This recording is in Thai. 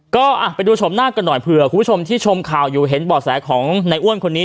ก็ไปดูชมหน้ากันหน่อยเผื่อคุณผู้ชมที่ชมข่าวอยู่เห็นบ่อแสของในอ้วนคนนี้